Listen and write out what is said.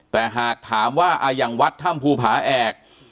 แต่หากถามว่าอย่างวัดถ้ำภูผาแอก